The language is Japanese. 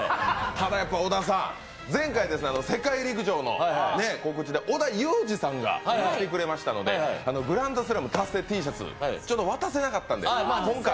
ただ小田さん、前回は世界陸上の告知で織田裕二さんが来てくださったんでグランドスラム達成Ｔシャツ、渡せなかったんで今回。